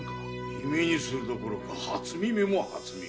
耳にするどころか初耳も初耳。